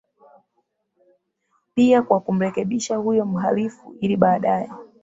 pia kwa kumrekebisha huyo mhalifu ili baadaye